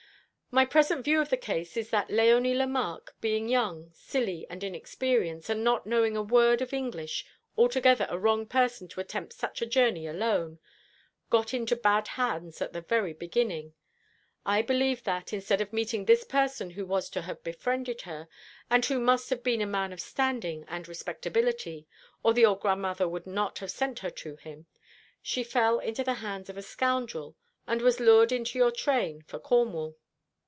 My present view of the case is that Léonie Lemarque, being young, silly, and inexperienced, and not knowing a word of English, altogether a wrong person to attempt such a journey alone, got into bad hands at the very beginning. I believe that, instead of meeting this person who was to have befriended her, and who must have been a man of standing and respectability, or the old grandmother would not have sent her to him, she fell into the hands of a scoundrel, and was lured into your train for Cornwall."